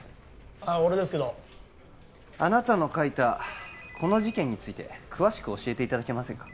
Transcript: あッ俺ですけどあなたの書いたこの事件について詳しく教えていただけませんか？